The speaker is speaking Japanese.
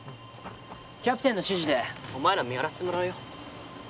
キャプテンの指示でお前ら見張らせてもらうよ。